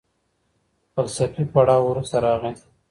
فلسفي پړاو وروسته راغی.